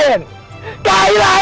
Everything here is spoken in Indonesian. berani kamu banyak